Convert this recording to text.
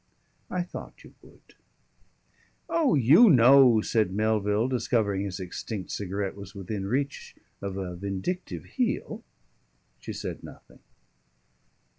"I thought you would." "Oh, you know," said Melville, discovering his extinct cigarette was within reach of a vindictive heel. She said nothing.